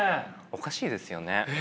おかしいですよね。